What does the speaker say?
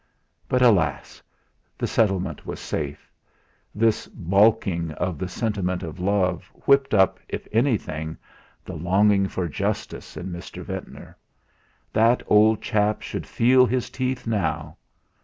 But alas! the settlement was safe. This baulking of the sentiment of love, whipped up, if anything, the longing for justice in Mr. Ventnor. That old chap should feel his teeth now.